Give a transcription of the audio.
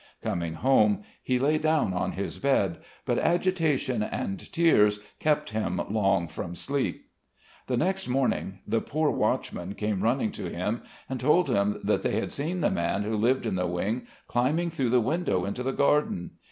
Coming home, he lay down on his bed, but agitation and tears kept him long from sleep.... The next morning the poor watchman came running to him and told him that they had seen the man who lived in the wing climbing through the window into the garden.